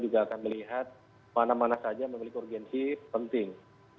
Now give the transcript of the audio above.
juga akan melihat mana mana saja memiliki urgensi penting